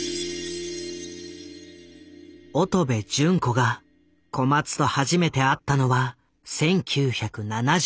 乙部順子が小松と初めて会ったのは１９７５年。